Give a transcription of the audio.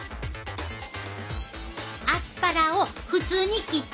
アスパラを普通に切って炒めると。